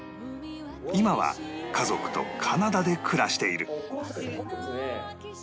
今は家族とカナダで暮らしている